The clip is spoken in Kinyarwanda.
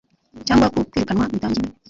cyangwa ku kwirukanwa bitangiwe